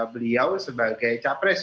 beliau sebagai capres